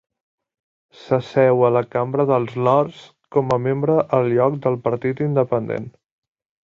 S'asseu a la Cambra dels Lords com a membre al lloc del partit independent.